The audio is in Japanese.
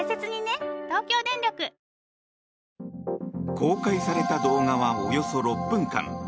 公開された動画はおよそ６分間。